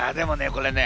これね